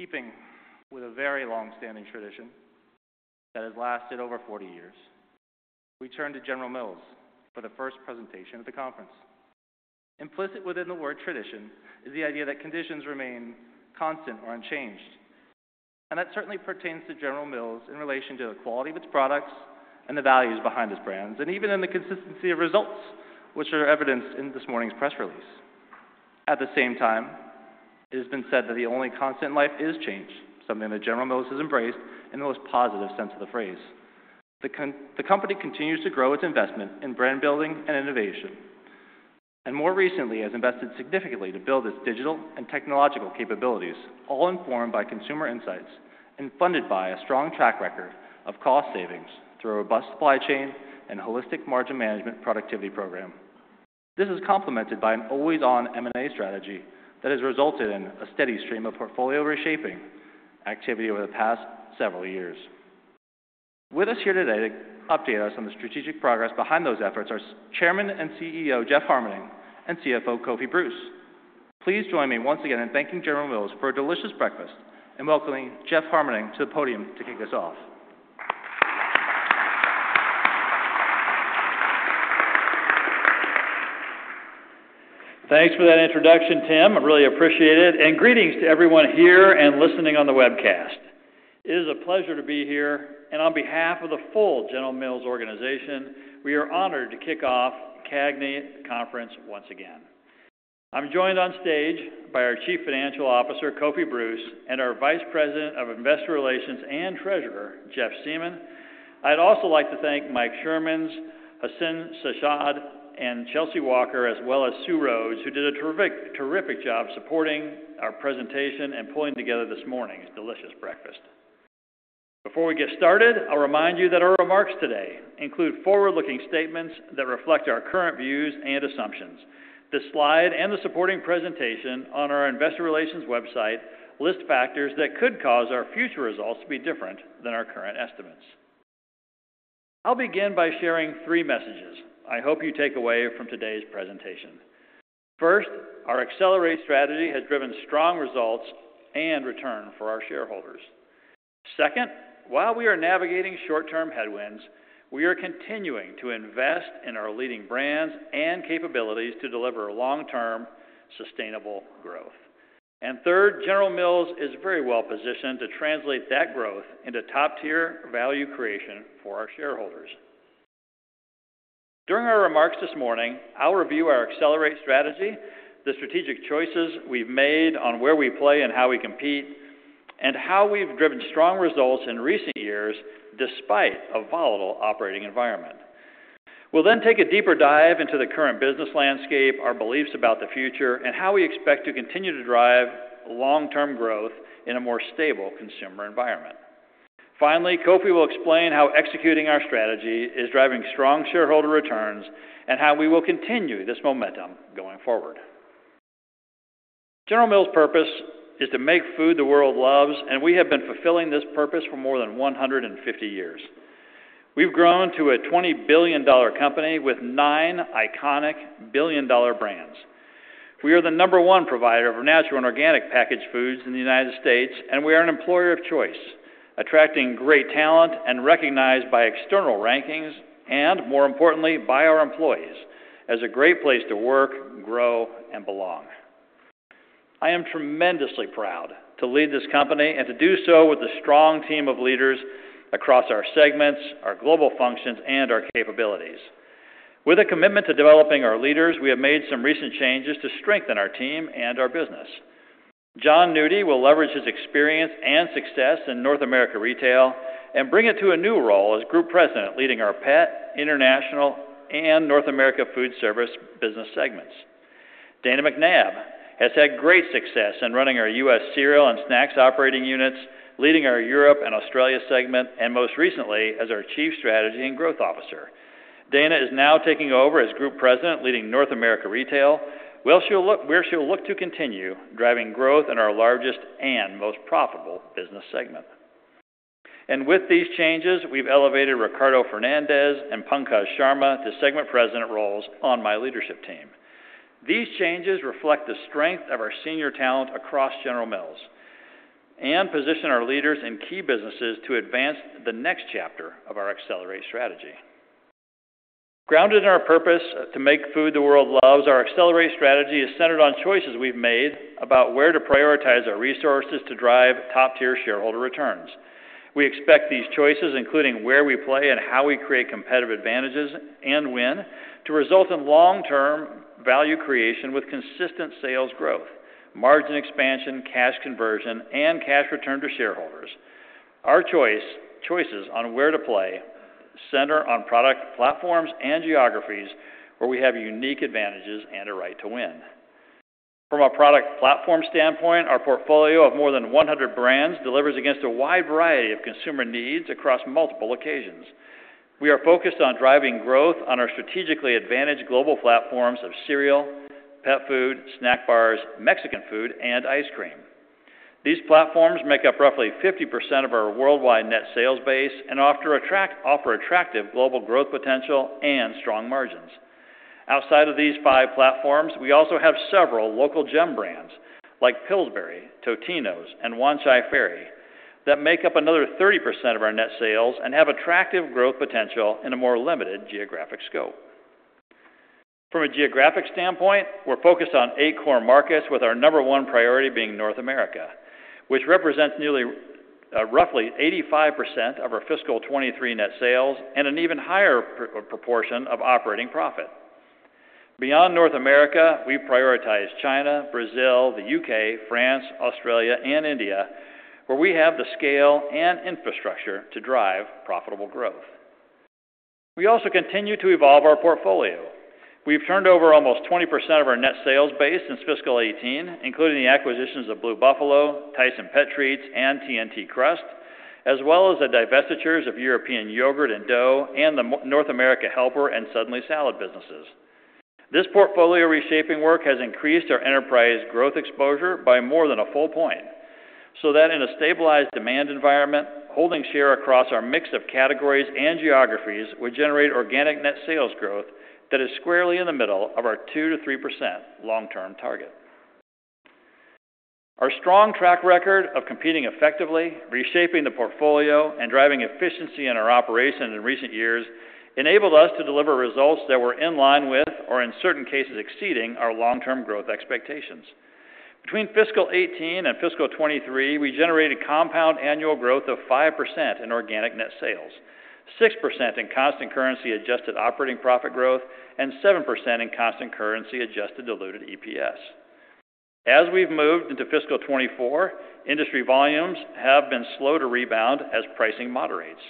In keeping with a very long-standing tradition that has lasted over 40 years, we turn to General Mills for the first presentation of the conference. Implicit within the word tradition is the idea that conditions remain constant or unchanged, and that certainly pertains to General Mills in relation to the quality of its products and the values behind its brands, and even in the consistency of results, which are evidenced in this morning's press release. At the same time, it has been said that the only constant in life is change, something that General Mills has embraced in the most positive sense of the phrase. The company continues to grow its investment in brand building and innovation, and more recently, has invested significantly to build its digital and technological capabilities, all informed by consumer insights and funded by a strong track record of cost savings through a robust supply chain and Holistic Margin Management productivity program. This is complemented by an always-on M&A strategy that has resulted in a steady stream of portfolio reshaping activity over the past several years. With us here today to update us on the strategic progress behind those efforts are Chairman and CEO, Jeff Harmening, and CFO, Kofi Bruce. Please join me once again in thanking General Mills for a delicious breakfast and welcoming Jeff Harmening to the podium to kick us off. Thanks for that introduction, Tim. I really appreciate it, and greetings to everyone here and listening on the webcast. It is a pleasure to be here, and on behalf of the full General Mills organization, we are honored to kick off the CAGNY Conference once again. I'm joined on stage by our Chief Financial Officer, Kofi Bruce, and our Vice President of Investor Relations and Treasurer, Jeff Siemon. I'd also like to thank Mike Siemienas, Haseeb Saddique, and Chelcy Walker, as well as Sue Rhodes, who did a terrific, terrific job supporting our presentation and pulling together this morning's delicious breakfast. Before we get started, I'll remind you that our remarks today include forward-looking statements that reflect our current views and assumptions. This slide and the supporting presentation on our investor relations website list factors that could cause our future results to be different than our current estimates. I'll begin by sharing three messages I hope you take away from today's presentation. First, our Accelerate strategy has driven strong results and return for our shareholders. Second, while we are navigating short-term headwinds, we are continuing to invest in our leading brands and capabilities to deliver long-term, sustainable growth. Third, General Mills is very well-positioned to translate that growth into top-tier value creation for our shareholders. During our remarks this morning, I'll review our Accelerate strategy, the strategic choices we've made on where we play and how we compete, and how we've driven strong results in recent years despite a volatile operating environment. We'll then take a deeper dive into the current business landscape, our beliefs about the future, and how we expect to continue to drive long-term growth in a more stable consumer environment. Finally, Kofi will explain how executing our strategy is driving strong shareholder returns and how we will continue this momentum going forward. General Mills' purpose is to make food the world loves, and we have been fulfilling this purpose for more than 150 years. We've grown to a $20 billion company with nine iconic billion-dollar brands. We are the number one provider of natural and organic packaged foods in the United States, and we are an employer of choice, attracting great talent and recognized by external rankings, and more importantly, by our employees, as a great place to work, grow, and belong. I am tremendously proud to lead this company and to do so with a strong team of leaders across our segments, our global functions, and our capabilities. With a commitment to developing our leaders, we have made some recent changes to strengthen our team and our business. Jon Nudi will leverage his experience and success in North America Retail and bring it to a new role as Group President, leading our Pet, International, and North America Foodservice business segments. Dana McNabb has had great success in running our U.S. Cereal and Snacks operating units, leading our Europe and Australia segment, and most recently, as our Chief Strategy and Growth Officer. Dana is now taking over as Group President, leading North America Retail, where she'll look to continue driving growth in our largest and most profitable business segment. With these changes, we've elevated Ricardo Fernandez and Pankaj Sharma to segment president roles on my leadership team. These changes reflect the strength of our senior talent across General Mills and position our leaders in key businesses to advance the next chapter of our Accelerate strategy. Grounded in our purpose to make food the world loves, our Accelerate strategy is centered on choices we've made about where to prioritize our resources to drive top-tier shareholder returns. We expect these choices, including where we play and how we create competitive advantages and win, to result in long-term value creation with consistent sales growth, margin expansion, cash conversion, and cash return to shareholders. Our choice- choices on where to play center on product platforms and geographies, where we have unique advantages and a right to win. From a product platform standpoint, our portfolio of more than 100 brands delivers against a wide variety of consumer needs across multiple occasions. We are focused on driving growth on our strategically advantaged global platforms of cereal, pet food, snack bars, Mexican food, and ice cream. These platforms make up roughly 50% of our worldwide net sales base and offer attractive global growth potential and strong margins. Outside of these five platforms, we also have several local gem brands like Pillsbury, Totino's, and Wan Chai Ferry, that make up another 30% of our net sales and have attractive growth potential in a more limited geographic scope. From a geographic standpoint, we're focused on eight core markets, with our number one priority being North America, which represents nearly, roughly 85% of our fiscal 2023 net sales and an even higher proportion of operating profit. Beyond North America, we prioritize China, Brazil, the UK, France, Australia, and India, where we have the scale and infrastructure to drive profitable growth. We also continue to evolve our portfolio. We've turned over almost 20% of our net sales base since fiscal 2018, including the acquisitions of Blue Buffalo, Tyson Pet Treats, and TNT Crust, as well as the divestitures of European Yogurt and Dough and the North America Helper and Suddenly Salad businesses. This portfolio reshaping work has increased our enterprise growth exposure by more than a full point, so that in a stabilized demand environment, holding share across our mix of categories and geographies would generate organic net sales growth that is squarely in the middle of our 2%-3% long-term target. Our strong track record of competing effectively, reshaping the portfolio, and driving efficiency in our operations in recent years enabled us to deliver results that were in line with, or in certain cases, exceeding our long-term growth expectations. Between fiscal 2018 and fiscal 2023, we generated compound annual growth of 5% in organic net sales, 6% in constant currency adjusted operating profit growth, and 7% in constant currency adjusted diluted EPS. As we've moved into fiscal 2024, industry volumes have been slow to rebound as pricing moderates,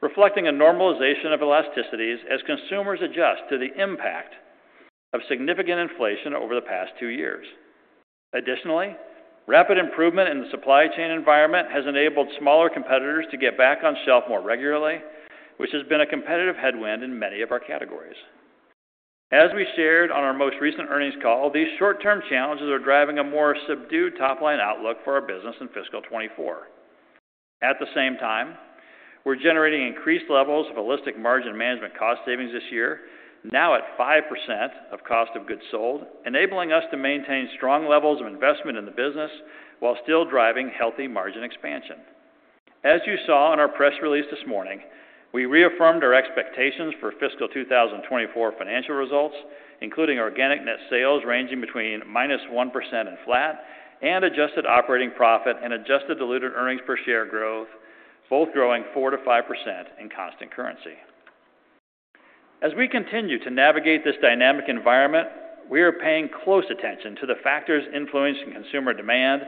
reflecting a normalization of elasticities as consumers adjust to the impact of significant inflation over the past two years. Additionally, rapid improvement in the supply chain environment has enabled smaller competitors to get back on shelf more regularly, which has been a competitive headwind in many of our categories. As we shared on our most recent earnings call, these short-term challenges are driving a more subdued top-line outlook for our business in fiscal 2024. At the same time, we're generating increased levels of Holistic Margin Management cost savings this year, now at 5% of cost of goods sold, enabling us to maintain strong levels of investment in the business while still driving healthy margin expansion. As you saw in our press release this morning, we reaffirmed our expectations for fiscal 2024 financial results, including organic net sales ranging between -1% and flat, and adjusted operating profit and adjusted diluted earnings per share growth, both growing 4%-5% in Constant Currency. As we continue to navigate this dynamic environment, we are paying close attention to the factors influencing consumer demand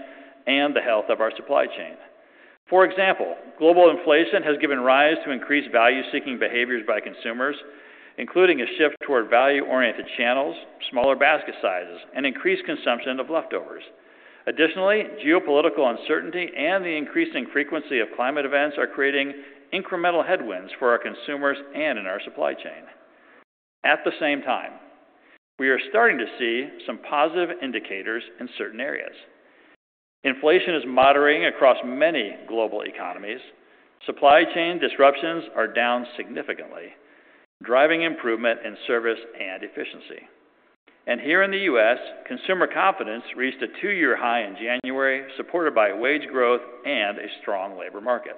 and the health of our supply chain. For example, global inflation has given rise to increased value-seeking behaviors by consumers, including a shift toward value-oriented channels, smaller basket sizes, and increased consumption of leftovers. Additionally, geopolitical uncertainty and the increasing frequency of climate events are creating incremental headwinds for our consumers and in our supply chain. At the same time, we are starting to see some positive indicators in certain areas. Inflation is moderating across many global economies. Supply chain disruptions are down significantly, driving improvement in service and efficiency. And here in the U.S., consumer confidence reached a two-year high in January, supported by wage growth and a strong labor market.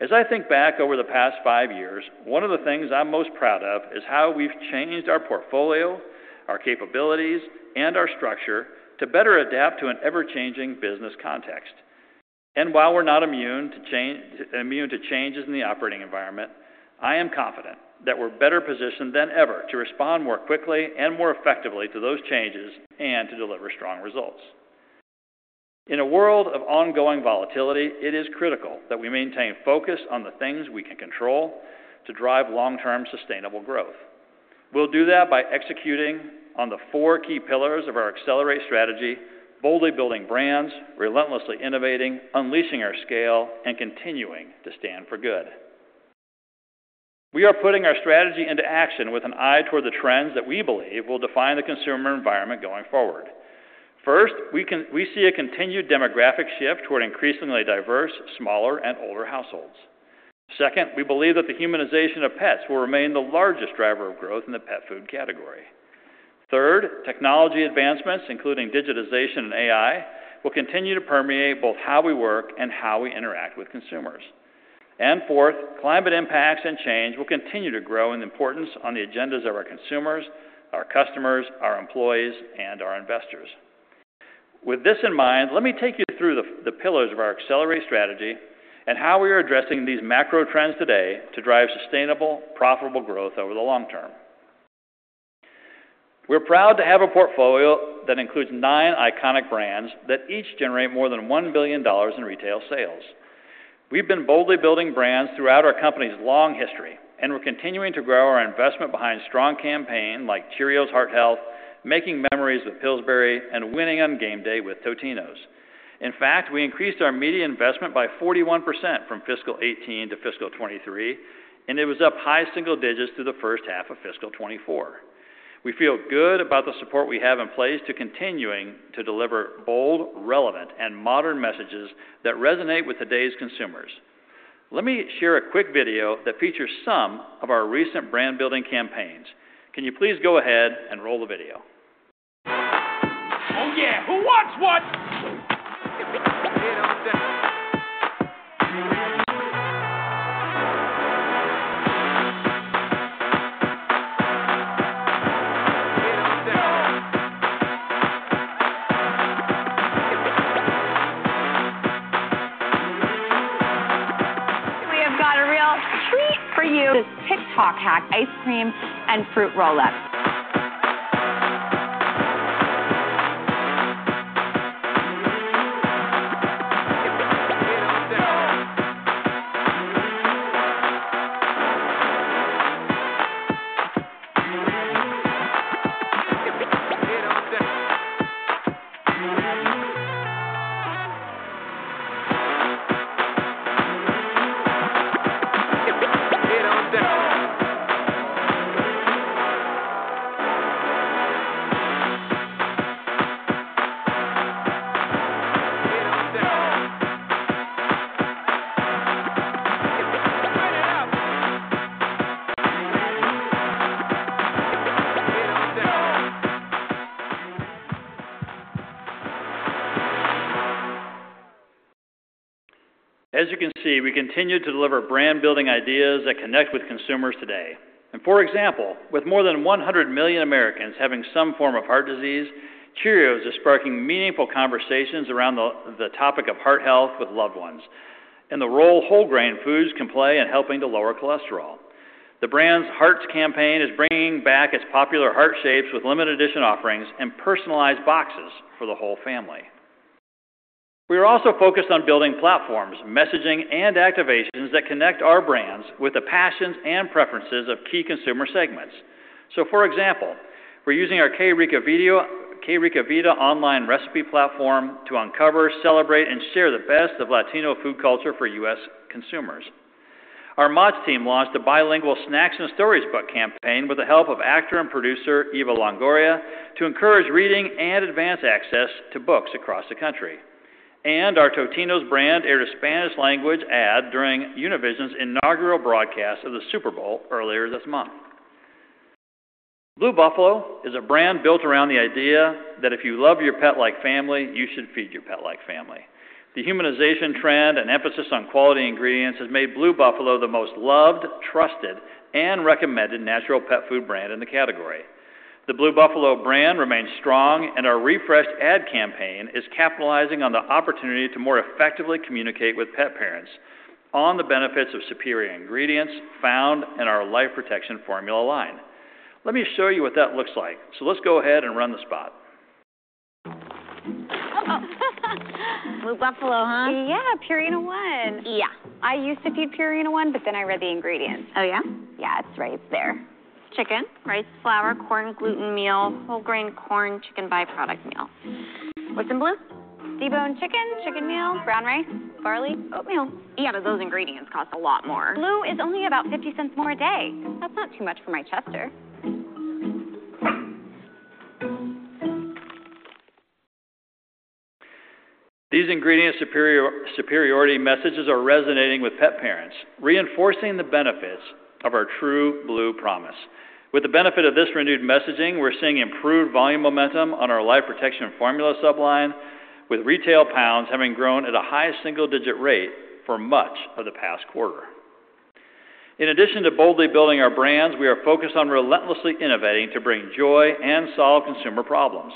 As I think back over the past five years, one of the things I'm most proud of is how we've changed our portfolio, our capabilities, and our structure to better adapt to an ever-changing business context. While we're not immune to changes in the operating environment, I am confident that we're better positioned than ever to respond more quickly and more effectively to those changes and to deliver strong results. In a world of ongoing volatility, it is critical that we maintain focus on the things we can control to drive long-term sustainable growth. We'll do that by executing on the four key pillars of our Accelerate strategy, boldly building brands, relentlessly innovating, unleashing our scale, and continuing to stand for good. We are putting our strategy into action with an eye toward the trends that we believe will define the consumer environment going forward. First, we see a continued demographic shift toward increasingly diverse, smaller, and older households. Second, we believe that the humanization of pets will remain the largest driver of growth in the pet food category. Third, technology advancements, including digitization and AI, will continue to permeate both how we work and how we interact with consumers. Fourth, climate impacts and change will continue to grow in importance on the agendas of our consumers, our customers, our employees, and our investors. With this in mind, let me take you through the pillars of our Accelerate strategy and how we are addressing these macro trends today to drive sustainable, profitable growth over the long term. We're proud to have a portfolio that includes nine iconic brands that each generate more than $1 billion in retail sales. We've been boldly building brands throughout our company's long history, and we're continuing to grow our investment behind strong campaigns, like Cheerios Heart Health, Making Memories with Pillsbury, and Winning on Game Day with Totino's. In fact, we increased our media investment by 41% from fiscal 2018 to fiscal 2023, and it was up high single digits through the first half of fiscal 2024. We feel good about the support we have in place to continuing to deliver bold, relevant, and modern messages that resonate with today's consumers. Let me share a quick video that features some of our recent brand-building campaigns. Can you please go ahead and roll the video? Oh, yeah! Who wants what? We have got a real treat for you. This TikTok hack, ice cream and Fruit Roll-Ups. As you can see, we continue to deliver brand-building ideas that connect with consumers today. For example, with more than 100 million Americans having some form of heart disease, Cheerios is sparking meaningful conversations around the topic of heart health with loved ones and the role whole grain foods can play in helping to lower cholesterol. The brand's Hearts campaign is bringing back its popular heart shapes with limited edition offerings and personalized boxes for the whole family. We are also focused on building platforms, messaging, and activations that connect our brands with the passions and preferences of key consumer segments. For example, we're using our Qué Rica Vida online recipe platform to uncover, celebrate, and share the best of Latino food culture for U.S. consumers. Our Mott's team launched a bilingual Snacks and Storybook campaign with the help of actor and producer Eva Longoria, to encourage reading and advance access to books across the country. Our Totino's brand aired a Spanish-language ad during Univision's inaugural broadcast of the Super Bowl earlier this month. Blue Buffalo is a brand built around the idea that if you love your pet like family, you should feed your pet like family. The humanization trend and emphasis on quality ingredients has made Blue Buffalo the most loved, trusted, and recommended natural pet food brand in the category. The Blue Buffalo brand remains strong, and our refreshed ad campaign is capitalizing on the opportunity to more effectively communicate with pet parents on the benefits of superior ingredients found in our Life Protection Formula line. Let me show you what that looks like. Let's go ahead and run the spot. Blue Buffalo, huh? Yeah, Purina ONE. Yeah. I used to feed Purina ONE, but then I read the ingredients. Oh, yeah? Yeah, it's right there. Chicken, rice flour, corn gluten meal, whole grain corn, chicken by-product meal. What's in Blue? Deboned chicken, chicken meal, brown rice, barley, oatmeal. Yeah, but those ingredients cost a lot more. Blue is only about $0.50 more a day. That's not too much for my Chester. These ingredient superiority messages are resonating with pet parents, reinforcing the benefits of our True Blue Promise. With the benefit of this renewed messaging, we're seeing improved volume momentum on our Life Protection Formula sub-line, with retail pounds having grown at a high single-digit rate for much of the past quarter. In addition to boldly building our brands, we are focused on relentlessly innovating to bring joy and solve consumer problems.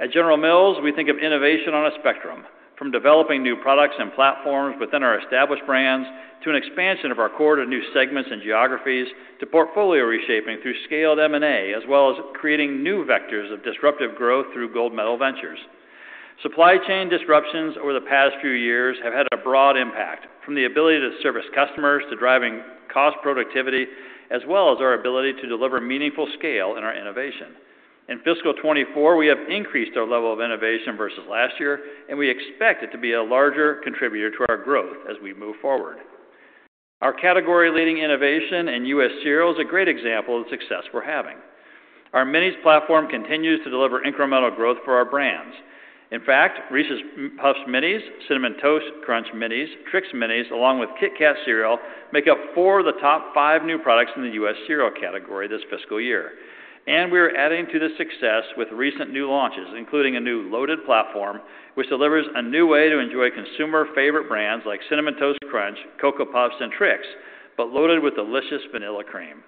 At General Mills, we think of innovation on a spectrum, from developing new products and platforms within our established brands, to an expansion of our core to new segments and geographies, to portfolio reshaping through scaled M&A, as well as creating new vectors of disruptive growth through Gold Medal Ventures. Supply chain disruptions over the past few years have had a broad impact, from the ability to service customers, to driving cost productivity, as well as our ability to deliver meaningful scale in our innovation. In fiscal 2024, we have increased our level of innovation versus last year, and we expect it to be a larger contributor to our growth as we move forward. Our category-leading innovation in U.S. cereal is a great example of the success we're having. Our Minis platform continues to deliver incremental growth for our brands. In fact, Reese's Puffs Minis, Cinnamon Toast Crunch Minis, Trix Minis, along with Kit Kat Cereal, make up four of the top five new products in the U.S. cereal category this fiscal year. We are adding to the success with recent new launches, including a new loaded platform, which delivers a new way to enjoy consumer favorite brands like Cinnamon Toast Crunch, Cocoa Puffs, and Trix, but loaded with delicious vanilla cream.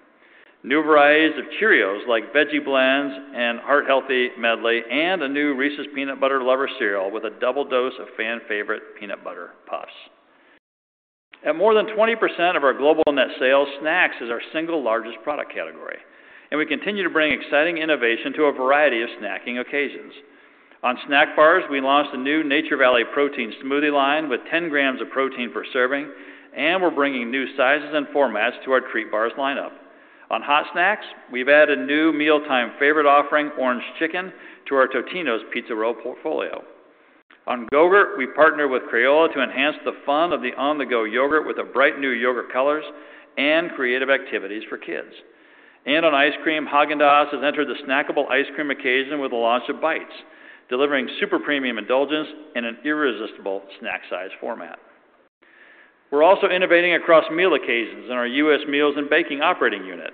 New varieties of Cheerios, like Veggie Blends and Heart Healthy Medley, and a new Reese's Peanut Butter Lovers Cereal with a double dose of fan-favorite peanut butter puffs. At more than 20% of our global net sales, snacks is our single largest product category, and we continue to bring exciting innovation to a variety of snacking occasions. On snack bars, we launched a new Nature Valley protein smoothie line with 10g of protein per serving, and we're bringing new sizes and formats to our Treat Bars lineup. On hot snacks, we've added new mealtime favorite offering, orange chicken, to our Totino's Pizza Roll portfolio. On Go-Gurt, we partnered with Crayola to enhance the fun of the on-the-go yogurt with the bright new yogurt colors and creative activities for kids. On ice cream, Häagen-Dazs has entered the snackable ice cream occasion with the launch of Bites, delivering super premium indulgence in an irresistible snack-size format. We're also innovating across meal occasions in our U.S. Meals and Baking operating unit.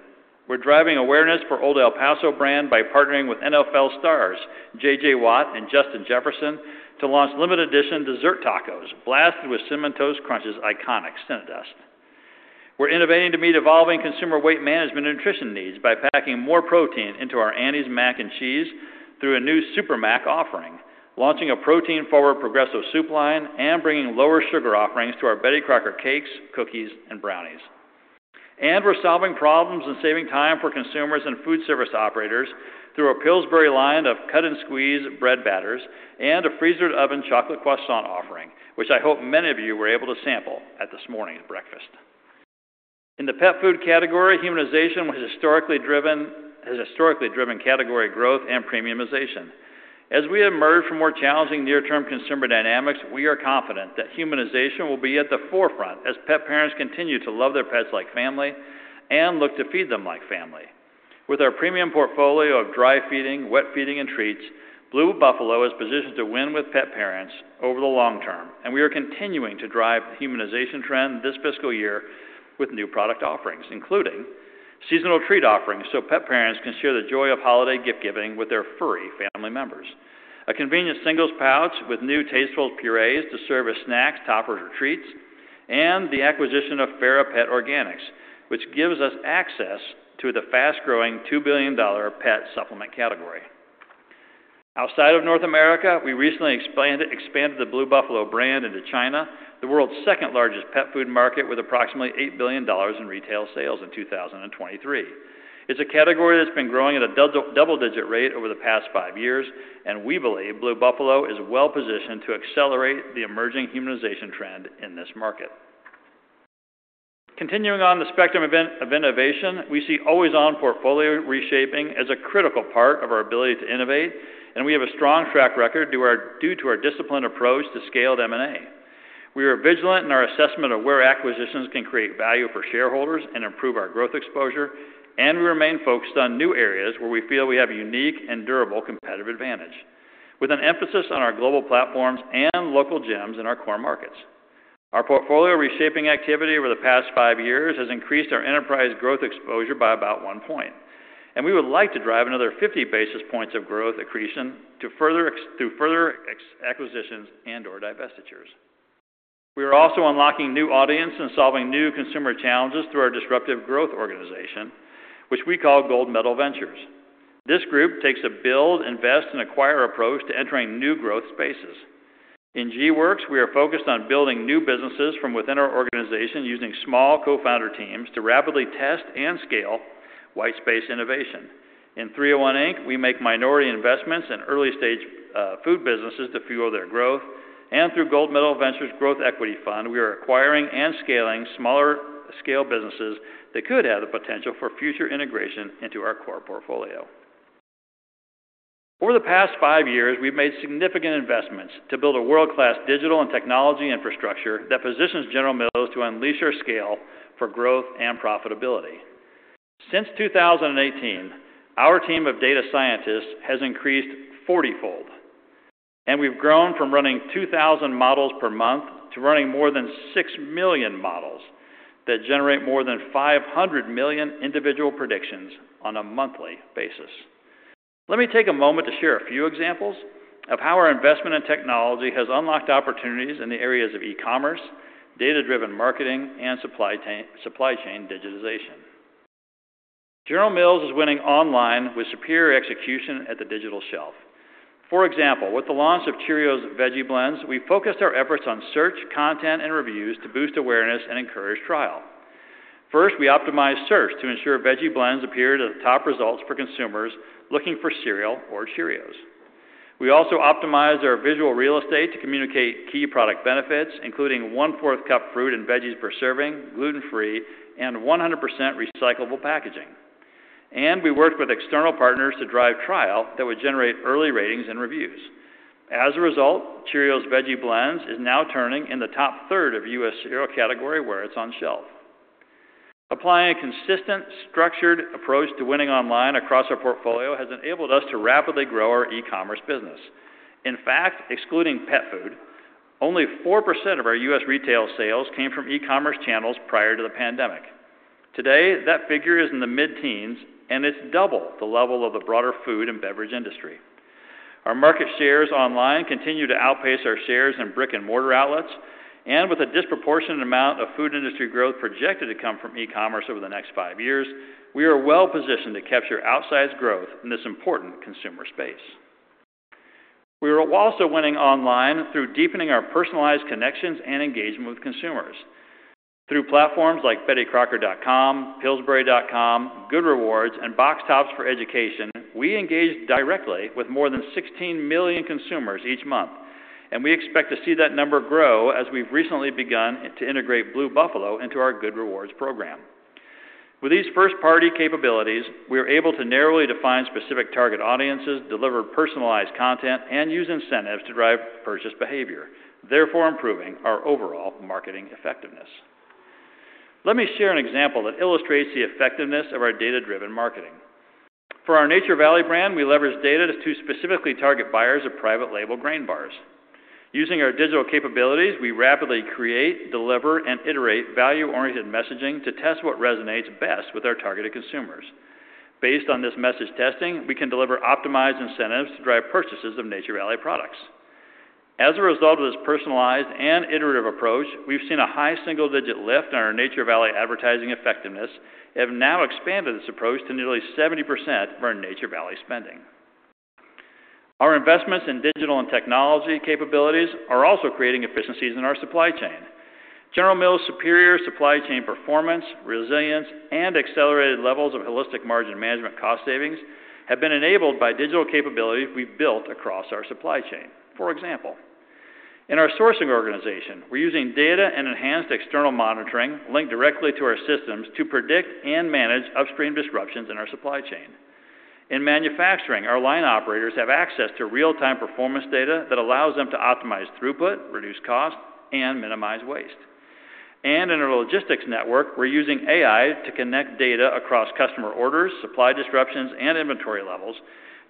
We're driving awareness for Old El Paso brand by partnering with NFL stars J.J. Watt and Justin Jefferson to launch limited edition dessert tacos blasted with Cinnamon Toast Crunch's iconic Cinnadust. We're innovating to meet evolving consumer weight management and nutrition needs by packing more protein into our Annie's Mac and Cheese through a new Super Mac offering, launching a protein-forward Progresso soup line, and bringing lower sugar offerings to our Betty Crocker cakes, cookies, and brownies. We're solving problems and saving time for consumers and food service operators through a Pillsbury line of cut-and-squeeze bread batters and a freezer-to-oven chocolate croissant offering, which I hope many of you were able to sample at this morning's breakfast. In the pet food category, humanization was historically driven, has historically driven category growth and premiumization. As we emerge from more challenging near-term consumer dynamics, we are confident that humanization will be at the forefront as pet parents continue to love their pets like family and look to feed them like family. With our premium portfolio of dry feeding, wet feeding, and treats, Blue Buffalo is positioned to win with pet parents over the long term, and we are continuing to drive the humanization trend this fiscal year with new product offerings, including seasonal treat offerings, so pet parents can share the joy of holiday gift-giving with their furry family members. A convenient singles pouch with new Tastefuls Purées to serve as snacks, toppers, or treats. And the acquisition of Fera Pet Organics, which gives us access to the fast-growing $2 billion pet supplement category. Outside of North America, we recently expanded the Blue Buffalo brand into China, the world's second-largest pet food market, with approximately $8 billion in retail sales in 2023. It's a category that's been growing at a double-digit rate over the past five years, and we believe Blue Buffalo is well positioned to accelerate the emerging humanization trend in this market. Continuing on the spectrum of innovation, we see always-on portfolio reshaping as a critical part of our ability to innovate, and we have a strong track record due to our disciplined approach to scaled M&A. We are vigilant in our assessment of where acquisitions can create value for shareholders and improve our growth exposure, and we remain focused on new areas where we feel we have a unique and durable competitive advantage, with an emphasis on our global platforms and local gems in our core markets. Our portfolio reshaping activity over the past five years has increased our enterprise growth exposure by about one point, and we would like to drive another 50 basis points of growth accretion to further expand through further acquisitions and/or divestitures. We are also unlocking new audience and solving new consumer challenges through our disruptive growth organization, which we call Gold Medal Ventures. This group takes a build, invest, and acquire approach to entering new growth spaces. In G-Works, we are focused on building new businesses from within our organization using small co-founder teams to rapidly test and scale white space innovation. In 301 INC, we make minority investments in early-stage food businesses to fuel their growth. Through Gold Medal Ventures growth equity fund, we are acquiring and scaling smaller-scale businesses that could have the potential for future integration into our core portfolio. Over the past five years, we've made significant investments to build a world-class digital and technology infrastructure that positions General Mills to unleash our scale for growth and profitability. Since 2018, our team of data scientists has increased 40-fold, and we've grown from running 2,000 models per month to running more than 6 million models that generate more than 500 million individual predictions on a monthly basis. Let me take a moment to share a few examples of how our investment in technology has unlocked opportunities in the areas of e-commerce, data-driven marketing, and supply chain, supply chain digitization. General Mills is winning online with superior execution at the digital shelf. For example, with the launch of Cheerios Veggie Blends, we focused our efforts on search, content, and reviews to boost awareness and encourage trial. First, we optimized search to ensure Veggie Blends appeared as top results for consumers looking for cereal or Cheerios. We also optimized our visual real estate to communicate key product benefits, including one-fourth cup fruit and veggies per serving, gluten-free, and 100% recyclable packaging. And we worked with external partners to drive trial that would generate early ratings and reviews. As a result, Cheerios Veggie Blends is now turning in the top third of U.S. cereal category where it's on shelf. Applying a consistent, structured approach to winning online across our portfolio has enabled us to rapidly grow our e-commerce business. In fact, excluding pet food, only 4% of our U.S. retail sales came from e-commerce channels prior to the pandemic. Today, that figure is in the mid-teens, and it's double the level of the broader food and beverage industry. Our market shares online continue to outpace our shares in brick-and-mortar outlets, and with a disproportionate amount of food industry growth projected to come from e-commerce over the next five years, we are well positioned to capture outsized growth in this important consumer space. We are also winning online through deepening our personalized connections and engagement with consumers. Through platforms like BettyCrocker.com, Pillsbury.com, Good Rewards, and Box Tops for Education, we engage directly with more than 16 million consumers each month, and we expect to see that number grow as we've recently begun to integrate Blue Buffalo into our Good Rewards program. With these first-party capabilities, we are able to narrowly define specific target audiences, deliver personalized content, and use incentives to drive purchase behavior, therefore, improving our overall marketing effectiveness. Let me share an example that illustrates the effectiveness of our data-driven marketing. For our Nature Valley brand, we leverage data to specifically target buyers of private label grain bars. Using our digital capabilities, we rapidly create, deliver, and iterate value-oriented messaging to test what resonates best with our targeted consumers. Based on this message testing, we can deliver optimized incentives to drive purchases of Nature Valley products. As a result of this personalized and iterative approach, we've seen a high single-digit lift in our Nature Valley advertising effectiveness and have now expanded this approach to nearly 70% of our Nature Valley spending. Our investments in digital and technology capabilities are also creating efficiencies in our supply chain. General Mills' superior supply chain performance, resilience, and accelerated levels of holistic margin management cost savings have been enabled by digital capabilities we've built across our supply chain. For example, in our sourcing organization, we're using data and enhanced external monitoring linked directly to our systems to predict and manage upstream disruptions in our supply chain. In manufacturing, our line operators have access to real-time performance data that allows them to optimize throughput, reduce cost, and minimize waste. In our logistics network, we're using AI to connect data across customer orders, supply disruptions, and inventory levels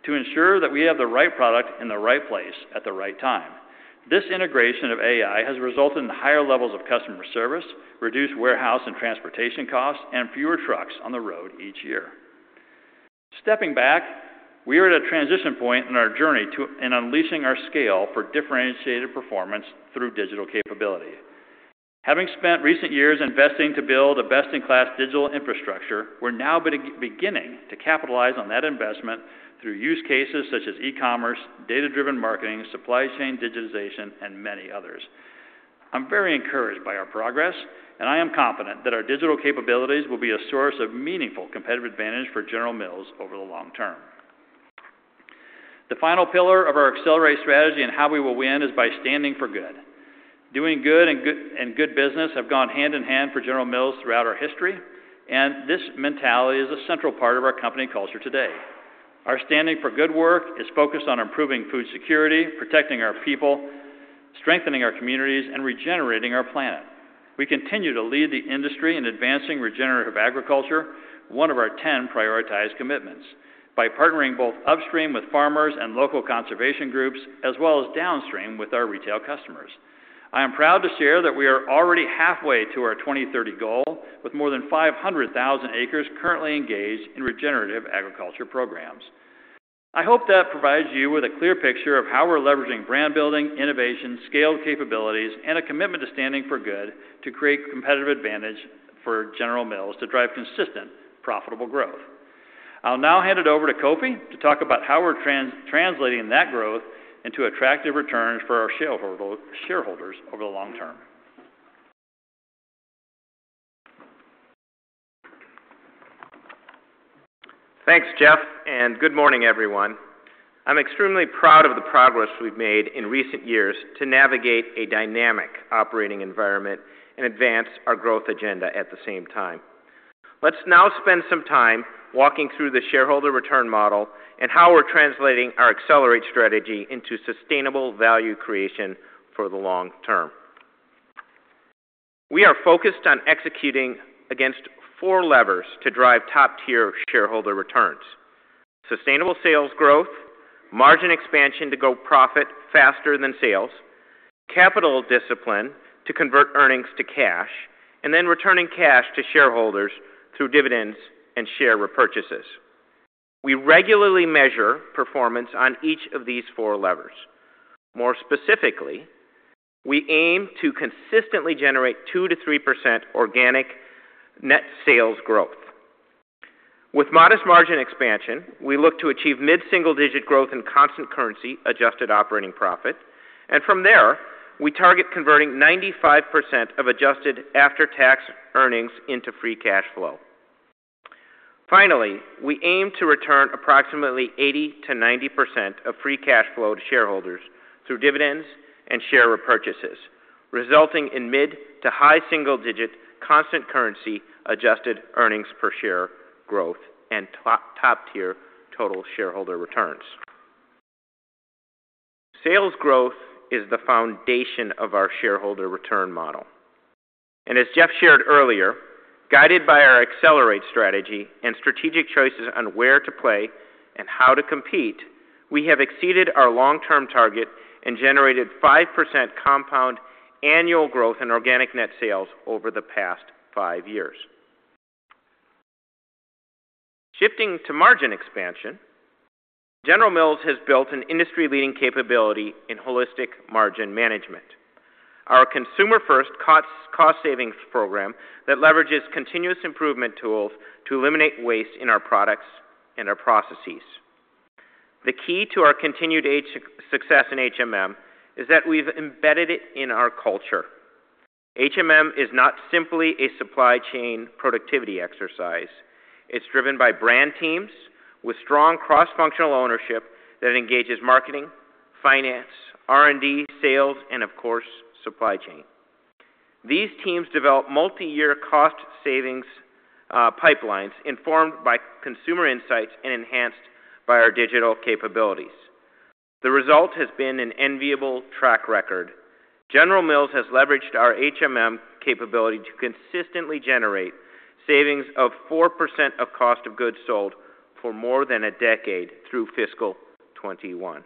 to ensure that we have the right product in the right place at the right time. This integration of AI has resulted in higher levels of customer service, reduced warehouse and transportation costs, and fewer trucks on the road each year. Stepping back, we are at a transition point in our journey to in unleashing our scale for differentiated performance through digital capability. Having spent recent years investing to build a best-in-class digital infrastructure, we're now beginning to capitalize on that investment through use cases such as e-commerce, data-driven marketing, supply chain digitization, and many others. I'm very encouraged by our progress, and I am confident that our digital capabilities will be a source of meaningful competitive advantage for General Mills over the long term. The final pillar of our Accelerate strategy and how we will win is by standing for good. Doing good and good, and good business have gone hand in hand for General Mills throughout our history, and this mentality is a central part of our company culture today. Our standing for good work is focused on improving food security, protecting our people, strengthening our communities, and regenerating our planet. We continue to lead the industry in advancing regenerative agriculture, one of our 10 prioritized commitments, by partnering both upstream with farmers and local conservation groups, as well as downstream with our retail customers. I am proud to share that we are already halfway to our 2030 goal, with more than 500,000 acres currently engaged in regenerative agriculture programs. I hope that provides you with a clear picture of how we're leveraging brand building, innovation, scaled capabilities, and a commitment to standing for good to create competitive advantage for General Mills to drive consistent, profitable growth. I'll now hand it over to Kofi to talk about how we're translating that growth into attractive returns for our shareholders over the long term. Thanks, Jeff, and good morning, everyone. I'm extremely proud of the progress we've made in recent years to navigate a dynamic operating environment and advance our growth agenda at the same time. Let's now spend some time walking through the shareholder return model and how we're translating our Accelerate strategy into sustainable value creation for the long term. We are focused on executing against four levers to drive top-tier shareholder returns: sustainable sales growth, margin expansion to go profit faster than sales, capital discipline to convert earnings to cash, and then returning cash to shareholders through dividends and share repurchases. We regularly measure performance on each of these four levers. More specifically, we aim to consistently generate 2%-3% organic net sales growth. With modest margin expansion, we look to achieve mid-single-digit growth in constant currency, adjusted operating profit, and from there, we target converting 95% of adjusted after-tax earnings into free cash flow. Finally, we aim to return approximately 80%-90% of free cash flow to shareholders through dividends and share repurchases, resulting in mid- to high-single-digit constant currency, adjusted earnings per share growth and top-tier total shareholder returns. Sales growth is the foundation of our shareholder return model, and as Jeff shared earlier, guided by our Accelerate strategy and strategic choices on where to play and how to compete, we have exceeded our long-term target and generated 5% compound annual growth in organic net sales over the past five years. Shifting to margin expansion, General Mills has built an industry-leading capability in holistic margin management. Our consumer-first cost savings program that leverages continuous improvement tools to eliminate waste in our products and our processes. The key to our continued success in HMM is that we've embedded it in our culture. HMM is not simply a supply chain productivity exercise. It's driven by brand teams with strong cross-functional ownership that engages marketing, finance, R&D, sales, and of course, supply chain. These teams develop multi-year cost savings pipelines informed by consumer insights and enhanced by our digital capabilities. The result has been an enviable track record. General Mills has leveraged our HMM capability to consistently generate savings of 4% of cost of goods sold for more than a decade through fiscal 2021.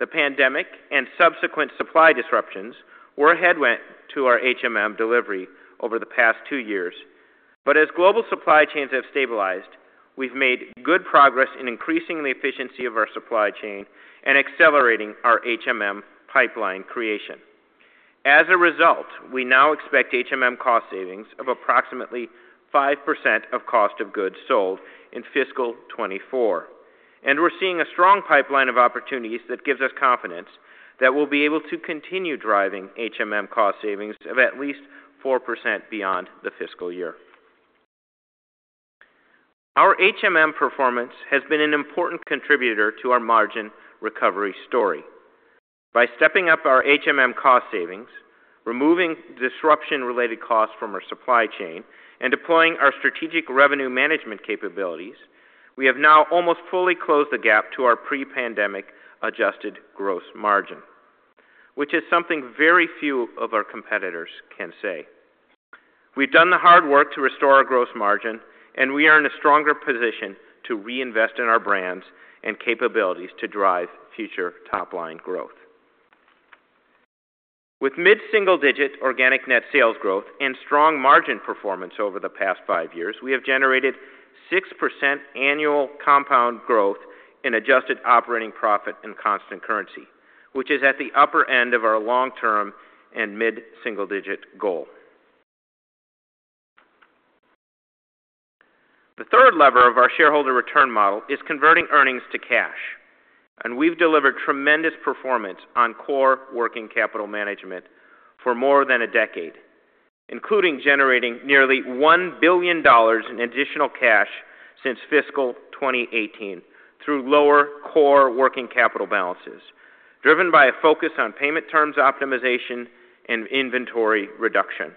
The pandemic and subsequent supply disruptions were a headwind to our HMM delivery over the past two years, but as global supply chains have stabilized, we've made good progress in increasing the efficiency of our supply chain and accelerating our HMM pipeline creation. As a result, we now expect HMM cost savings of approximately 5% of cost of goods sold in fiscal 2024, and we're seeing a strong pipeline of opportunities that gives us confidence that we'll be able to continue driving HMM cost savings of at least 4% beyond the fiscal year. Our HMM performance has been an important contributor to our margin recovery story. By stepping up our HMM cost savings, removing disruption-related costs from our supply chain, and deploying our strategic revenue management capabilities, we have now almost fully closed the gap to our pre-pandemic adjusted gross margin, which is something very few of our competitors can say. We've done the hard work to restore our gross margin, and we are in a stronger position to reinvest in our brands and capabilities to drive future top-line growth. With mid-single-digit organic net sales growth and strong margin performance over the past five years, we have generated 6% annual compound growth in adjusted operating profit and constant currency, which is at the upper end of our long-term and mid-single-digit goal. The third lever of our shareholder return model is converting earnings to cash, and we've delivered tremendous performance on core working capital management for more than a decade, including generating nearly $1 billion in additional cash since fiscal 2018 through lower core working capital balances, driven by a focus on payment terms, optimization, and inventory reduction.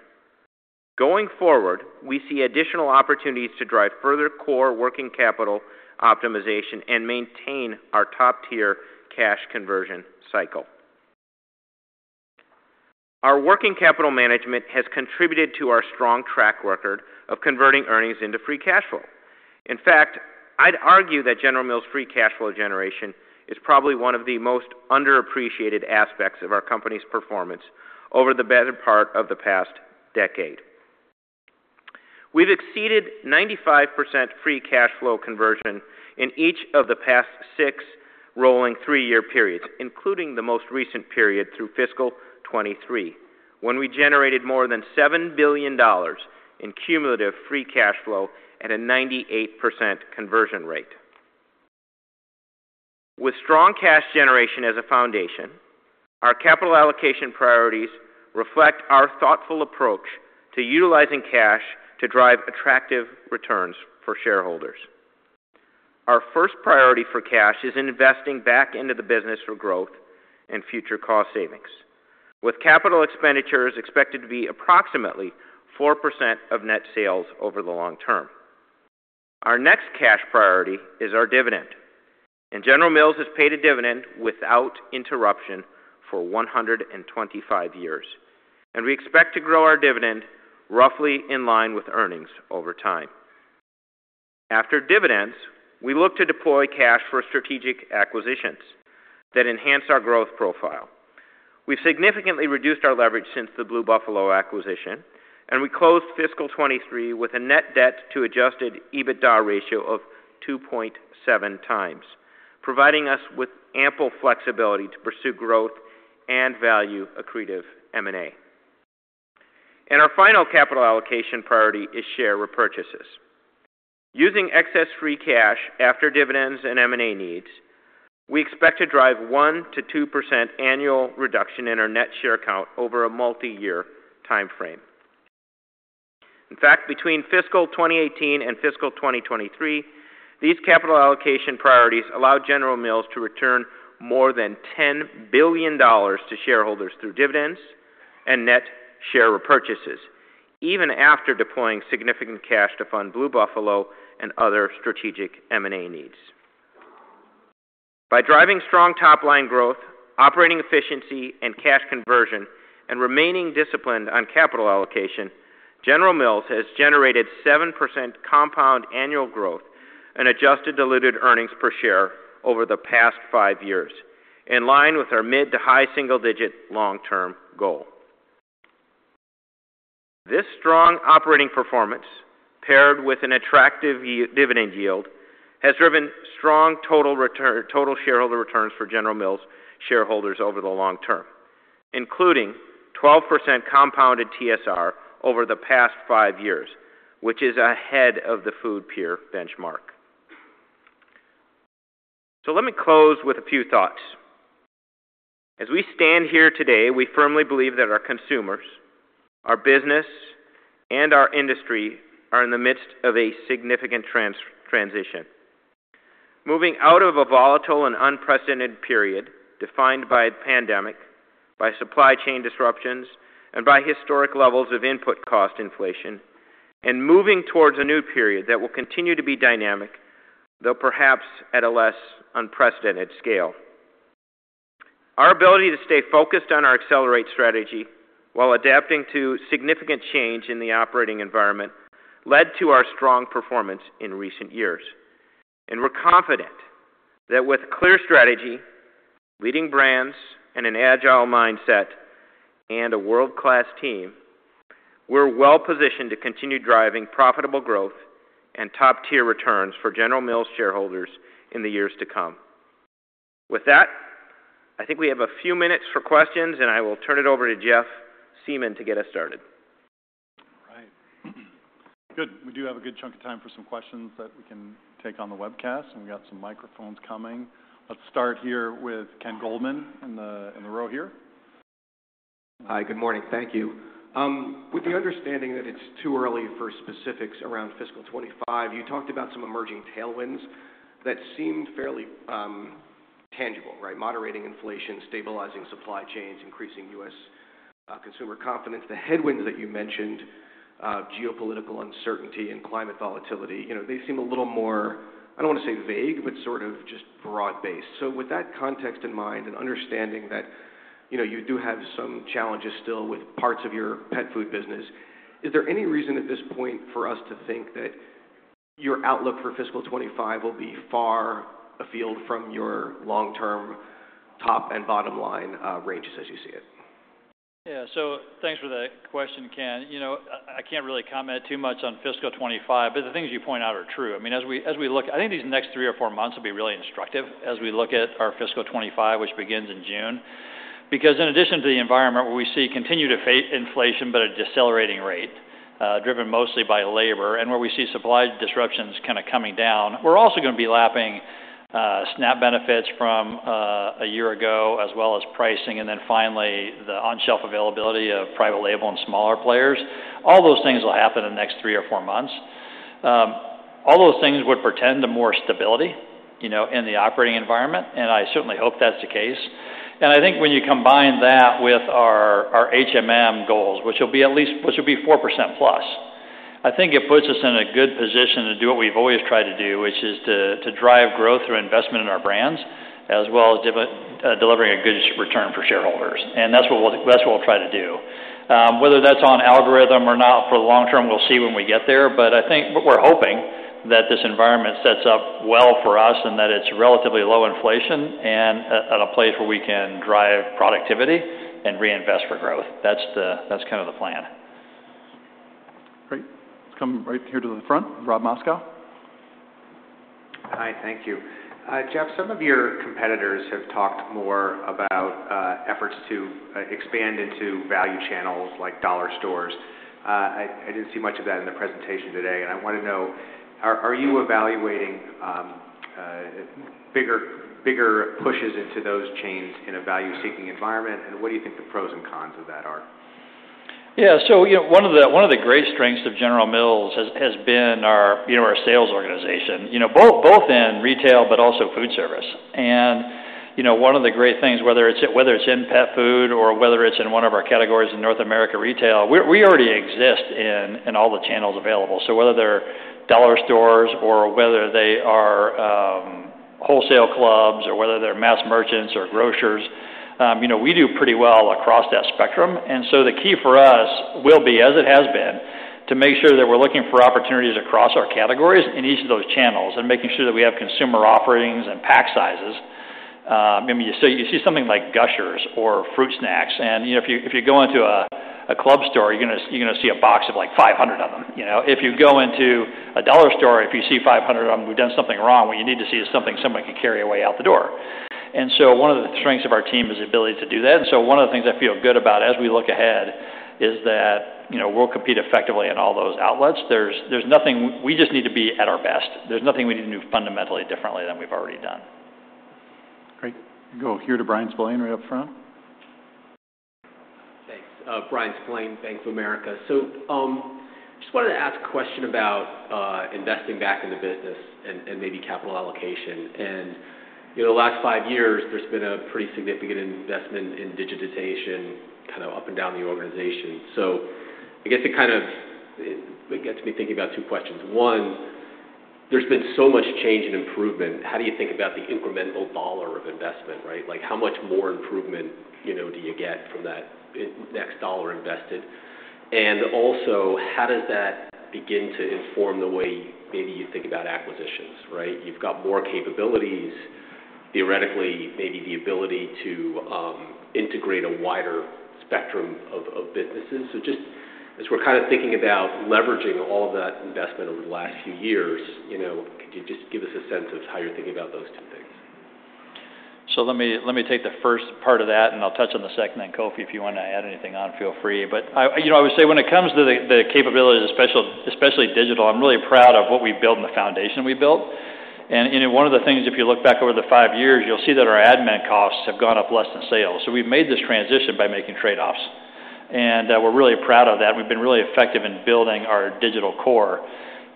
Going forward, we see additional opportunities to drive further core working capital optimization and maintain our top-tier cash conversion cycle. Our working capital management has contributed to our strong track record of converting earnings into free cash flow. In fact, I'd argue that General Mills' free cash flow generation is probably one of the most underappreciated aspects of our company's performance over the better part of the past decade. We've exceeded 95% free cash flow conversion in each of the past six rolling three-year periods, including the most recent period through fiscal 2023, when we generated more than $7 billion in cumulative free cash flow at a 98% conversion rate. With strong cash generation as a foundation, our capital allocation priorities reflect our thoughtful approach to utilizing cash to drive attractive returns for shareholders. Our first priority for cash is in investing back into the business for growth and future cost savings, with capital expenditures expected to be approximately 4% of net sales over the long term. Our next cash priority is our dividend, and General Mills has paid a dividend without interruption for 125 years, and we expect to grow our dividend roughly in line with earnings over time. After dividends, we look to deploy cash for strategic acquisitions that enhance our growth profile. We've significantly reduced our leverage since the Blue Buffalo acquisition, and we closed fiscal 2023 with a net debt to adjusted EBITDA ratio of 2.7x, providing us with ample flexibility to pursue growth and value accretive M&A. Our final capital allocation priority is share repurchases. Using excess free cash after dividends and M&A needs, we expect to drive 1%-2% annual reduction in our net share count over a multi-year timeframe. In fact, between fiscal 2018 and fiscal 2023, these capital allocation priorities allowed General Mills to return more than $10 billion to shareholders through dividends and net share repurchases, even after deploying significant cash to fund Blue Buffalo and other strategic M&A needs. By driving strong top-line growth, operating efficiency, and cash conversion, and remaining disciplined on capital allocation, General Mills has generated 7% compound annual growth and adjusted diluted earnings per share over the past five years, in line with our mid- to high single-digit long-term goal. This strong operating performance, paired with an attractive dividend yield, has driven strong total shareholder returns for General Mills shareholders over the long term, including 12% compounded TSR over the past five years, which is ahead of the food peer benchmark. So let me close with a few thoughts. As we stand here today, we firmly believe that our consumers, our business, and our industry are in the midst of a significant transition. Moving out of a volatile and unprecedented period defined by the pandemic, by supply chain disruptions, and by historic levels of input cost inflation.... and moving towards a new period that will continue to be dynamic, though perhaps at a less unprecedented scale. Our ability to stay focused on our Accelerate strategy while adapting to significant change in the operating environment led to our strong performance in recent years, and we're confident that with clear strategy, leading brands, and an agile mindset, and a world-class team, we're well-positioned to continue driving profitable growth and top-tier returns for General Mills shareholders in the years to come. With that, I think we have a few minutes for questions, and I will turn it over to Jeff Siemon to get us started. Right. Good. We do have a good chunk of time for some questions that we can take on the webcast, and we've got some microphones coming. Let's start here with Ken Goldman in the, in the row here. Hi, good morning. Thank you. With the understanding that it's too early for specifics around fiscal 2025, you talked about some emerging tailwinds that seemed fairly tangible, right? Moderating inflation, stabilizing supply chains, increasing U.S. consumer confidence. The headwinds that you mentioned, geopolitical uncertainty and climate volatility, you know, they seem a little more, I don't want to say vague, but sort of just broad-based. So with that context in mind and understanding that, you know, you do have some challenges still with parts of your pet food business, is there any reason at this point for us to think that your outlook for fiscal 2025 will be far afield from your long-term top and bottom line ranges as you see it? Yeah, so thanks for that question, Ken. You know, I can't really comment too much on fiscal 2025, but the things you point out are true. I mean, as we look, I think these next three or four months will be really instructive as we look at our fiscal 2025, which begins in June. Because in addition to the environment where we see continued inflation, but a decelerating rate, driven mostly by labor, and where we see supply disruptions kind of coming down, we're also gonna be lapping SNAP benefits from a year ago, as well as pricing, and then finally, the on-shelf availability of private label and smaller players. All those things will happen in the next three or four months. All those things would portend to more stability, you know, in the operating environment, and I certainly hope that's the case. I think when you combine that with our HMM goals, which will be 4%+, I think it puts us in a good position to do what we've always tried to do, which is to drive growth through investment in our brands, as well as delivering a good return for shareholders, and that's what we'll try to do. Whether that's on algorithm or not for the long term, we'll see when we get there. But I think what we're hoping, that this environment sets up well for us and that it's relatively low inflation and at a place where we can drive productivity and reinvest for growth. That's kind of the plan. Great. Let's come right here to the front, Rob Moskow. Hi, thank you. Jeff, some of your competitors have talked more about efforts to expand into value channels like dollar stores. I didn't see much of that in the presentation today, and I want to know, are you evaluating bigger pushes into those chains in a value-seeking environment? And what do you think the pros and cons of that are? Yeah, so, you know, one of the, one of the great strengths of General Mills has, has been our, you know, our sales organization, you know, both, both in retail, but also food service. And, you know, one of the great things, whether it's, whether it's in pet food or whether it's in one of our categories in North America Retail, we're, we already exist in, in all the channels available. So whether they're dollar stores or whether they are, wholesale clubs, or whether they're mass merchants or grocers, you know, we do pretty well across that spectrum. And so the key for us will be, as it has been, to make sure that we're looking for opportunities across our categories in each of those channels and making sure that we have consumer offerings and pack sizes. I mean, you see, you see something like Gushers or fruit snacks, and, you know, if you, if you go into a club store, you're gonna, you're gonna see a box of, like, 500 of them, you know? If you go into a dollar store, if you see 500 of them, we've done something wrong. What you need to see is something somebody can carry away out the door. And so one of the strengths of our team is the ability to do that. And so one of the things I feel good about as we look ahead is that, you know, we'll compete effectively in all those outlets. There's, there's nothing... We just need to be at our best. There's nothing we need to do fundamentally differently than we've already done. Great. Go here to Bryan Spillane, right up front. Thanks. Bryan Spillane, Bank of America. So, just wanted to ask a question about investing back in the business and maybe capital allocation. You know, the last five years, there's been a pretty significant investment in digitization, kind of up and down the organization. So I guess it kind of gets me thinking about two questions. One, there's been so much change and improvement. How do you think about the incremental dollar of investment, right? Like, how much more improvement, you know, do you get from that next dollar invested? And also, how does that begin to inform the way maybe you think about acquisitions, right? You've got more capabilities, theoretically, maybe the ability to integrate a wider spectrum of businesses. So just as we're kind of thinking about leveraging all that investment over the last few years, you know, could you just give us a sense of how you're thinking about those two things? So let me, let me take the first part of that, and I'll touch on the second, then Kofi, if you want to add anything on, feel free. But I, you know, I would say when it comes to the, the capabilities, especially, especially digital, I'm really proud of what we've built and the foundation we've built. And, and one of the things, if you look back over the five years, you'll see that our admin costs have gone up less than sales. So we've made this transition by making trade-offs, and we're really proud of that, and we've been really effective in building our digital core.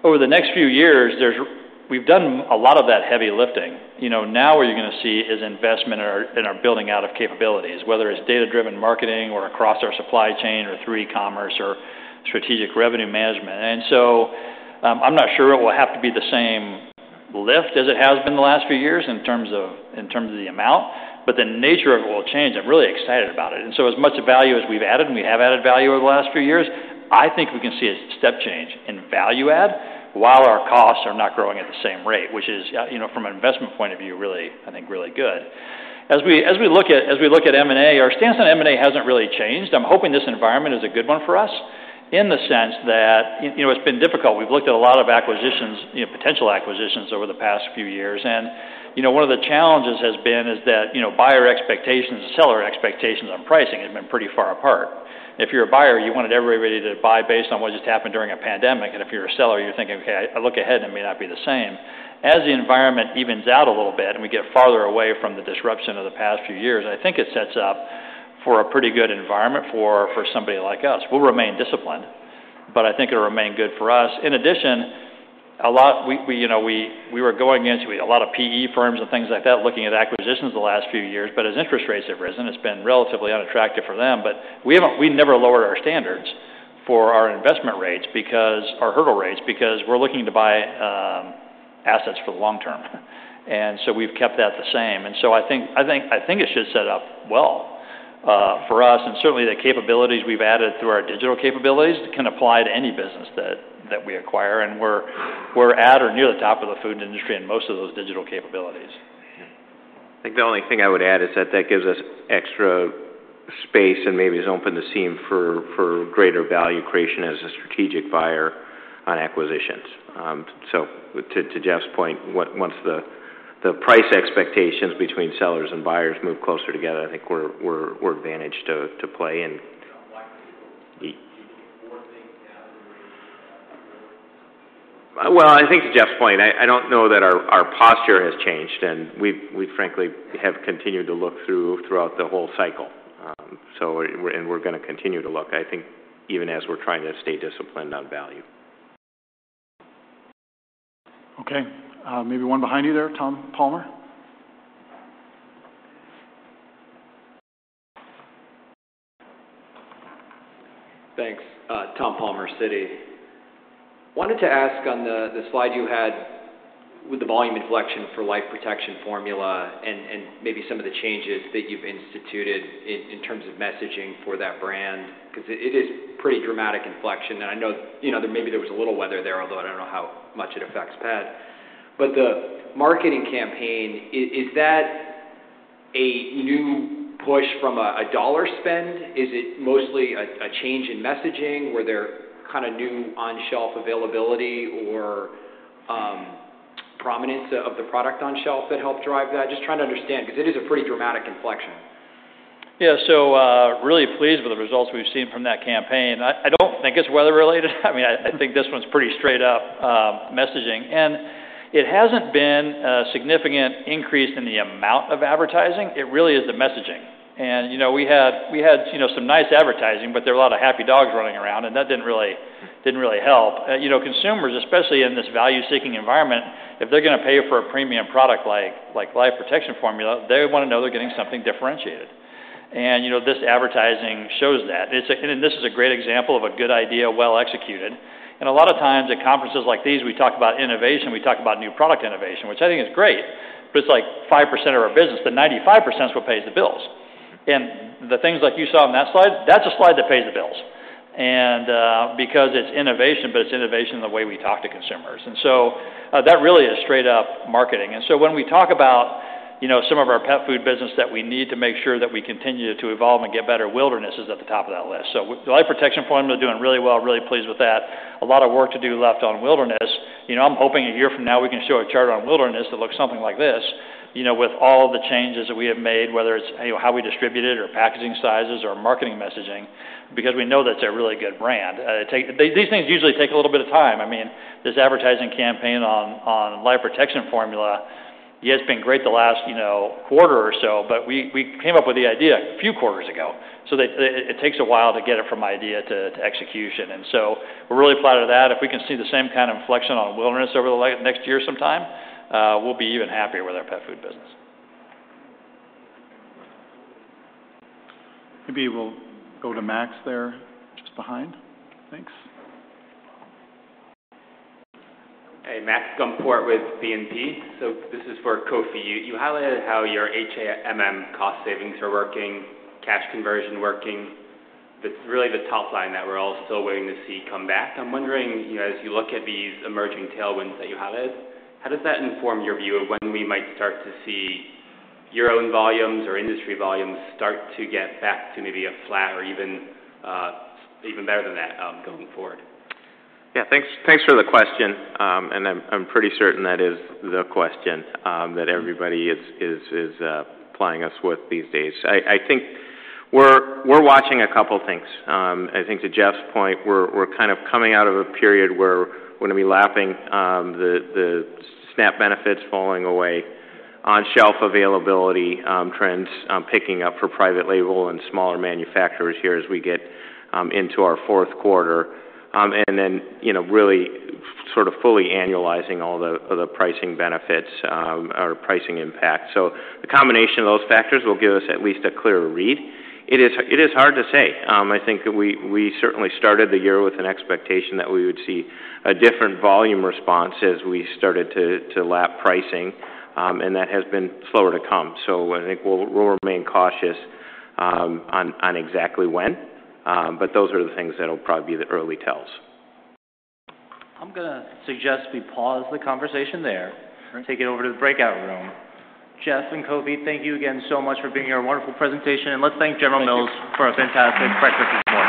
Over the next few years, there's—we've done a lot of that heavy lifting. You know, now what you're gonna see is investment in our building out of capabilities, whether it's data-driven marketing or across our supply chain or through e-commerce or strategic revenue management. And so, I'm not sure it will have to be the same lift as it has been the last few years in terms of the amount, but the nature of it will change. I'm really excited about it. And so as much value as we've added, and we have added value over the last few years, I think we can see a step change in value add while our costs are not growing at the same rate, which is, you know, from an investment point of view, really, I think, really good. As we look at M&A, our stance on M&A hasn't really changed. I'm hoping this environment is a good one for us in the sense that, you, you know, it's been difficult. We've looked at a lot of acquisitions, you know, potential acquisitions over the past few years, and, you know, one of the challenges has been is that, you know, buyer expectations and seller expectations on pricing have been pretty far apart. If you're a buyer, you wanted everybody to buy based on what just happened during a pandemic, and if you're a seller, you're thinking, Okay, I look ahead, and it may not be the same. As the environment evens out a little bit, and we get farther away from the disruption of the past few years, I think it sets up for a pretty good environment for, for somebody like us. We'll remain disciplined, but I think it'll remain good for us. In addition, a lot... We, you know, we were going against—we had a lot of PE firms and things like that, looking at acquisitions the last few years, but as interest rates have risen, it's been relatively unattractive for them. But we haven't—we never lowered our standards for our investment rates because—our hurdle rates, because we're looking to buy assets for the long term. And so we've kept that the same. And so I think, I think, I think it should set up well for us, and certainly, the capabilities we've added through our digital capabilities can apply to any business that we acquire, and we're at or near the top of the food industry in most of those digital capabilities. I think the only thing I would add is that that gives us extra space and maybe has opened the seam for greater value creation as a strategic buyer on acquisitions. So to Jeff's point, once the price expectations between sellers and buyers move closer together, I think we're advantaged to play, and- On, do you think more things now than you were earlier? Well, I think to Jeff's point, I don't know that our posture has changed, and we frankly have continued to look throughout the whole cycle. So we're gonna continue to look, I think, even as we're trying to stay disciplined on value. Okay, maybe one behind you there, Tom Palmer. Thanks. Tom Palmer, Citi. Wanted to ask on the slide you had with the volume inflection for Life Protection Formula and maybe some of the changes that you've instituted in terms of messaging for that brand, 'cause it is pretty dramatic inflection. And I know, you know, that maybe there was a little weather there, although I don't know how much it affects pet. But the marketing campaign, is that a new push from a dollar spend? Is it mostly a change in messaging, where they're kind of new on-shelf availability or prominence of the product on shelf that helped drive that? Just trying to understand, because it is a pretty dramatic inflection. Yeah, so, really pleased with the results we've seen from that campaign. I don't think it's weather-related. I mean, I think this one's pretty straight-up messaging. And it hasn't been a significant increase in the amount of advertising. It really is the messaging. And, you know, we had, we had, you know, some nice advertising, but there were a lot of happy dogs running around, and that didn't really, didn't really help. You know, consumers, especially in this value-seeking environment, if they're gonna pay for a premium product like, like Life Protection Formula, they want to know they're getting something differentiated. And, you know, this advertising shows that. It's a... And this is a great example of a good idea, well executed. A lot of times at conferences like these, we talk about innovation, we talk about new product innovation, which I think is great, but it's like 5% of our business, the 95% is what pays the bills. And the things like you saw on that slide, that's a slide that pays the bills. And, because it's innovation, but it's innovation in the way we talk to consumers. And so, that really is straight-up marketing. And so when we talk about, you know, some of our pet food business that we need to make sure that we continue to evolve and get better, Wilderness is at the top of that list. So the Life Protection Formula are doing really well, really pleased with that. A lot of work to do left on Wilderness. You know, I'm hoping a year from now, we can show a chart on Wilderness that looks something like this, you know, with all the changes that we have made, whether it's, you know, how we distribute it or packaging sizes or marketing messaging, because we know that's a really good brand. These things usually take a little bit of time. I mean, this advertising campaign on Life Protection Formula, yeah, it's been great the last, you know, quarter or so, but we, we came up with the idea a few quarters ago. It takes a while to get it from idea to execution. And so we're really proud of that. If we can see the same kind of inflection on Wilderness over the next year sometime, we'll be even happier with our pet food business. Maybe we'll go to Max there, just behind. Thanks. Hey, Max Gumport with BNP. So this is for Kofi. You, you highlighted how your HMM cost savings are working, cash conversion working. It's really the top line that we're all still waiting to see come back. I'm wondering, you know, as you look at these emerging tailwinds that you highlighted, how does that inform your view of when we might start to see your own volumes or industry volumes start to get back to maybe a flat or even, even better than that, going forward? Yeah, thanks, thanks for the question. And I'm pretty certain that is the question that everybody is plying us with these days. I think we're watching a couple things. I think to Jeff's point, we're kind of coming out of a period where we're gonna be lapping the SNAP benefits falling away, on-shelf availability trends picking up for private label and smaller manufacturers here as we get into our fourth quarter. And then, you know, really sort of fully annualizing all the pricing benefits or pricing impact. So the combination of those factors will give us at least a clearer read. It is hard to say. I think that we certainly started the year with an expectation that we would see a different volume response as we started to lap pricing, and that has been slower to come. So I think we'll remain cautious on exactly when, but those are the things that'll probably be the early tells. I'm gonna suggest we pause the conversation there- Sure. Take it over to the breakout room. Jeff and Kofi, thank you again so much for being here. A wonderful presentation, and let's thank General Mills for a fantastic breakfast this morning.